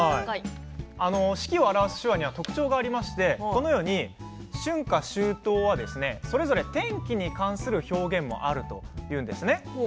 四季を表す手話には特徴がありましてこのように、春夏秋冬はそれぞれ天気に関する表現もあるというんですね。